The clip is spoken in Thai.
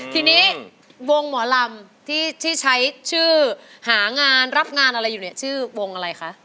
ทีนี้วงหมอลำที่ใช้ชื่อหางานรับงานอะไรอยู่เนี่ยชื่อวงอะไรคะ